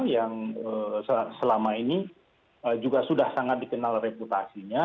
yang selama ini juga sudah sangat dikenal reputasinya